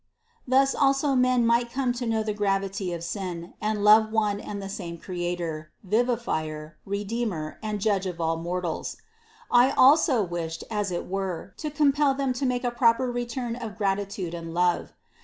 Thus also men might come to know the gravity of sin, and love one and the same Creator, Vivifier, Redeemer, and Judge of all mortals. I also wished as it were, to compel them to make a proper return of gratitude and love.